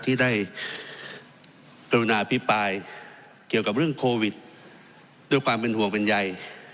ที่ได้กรุณาพิปรายเกี่ยวกับเรื่องโควิดด้วยความเป็นห่วงเป็นใย